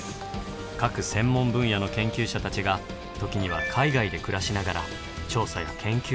各専門分野の研究者たちが時には海外で暮らしながら調査や研究を行っています。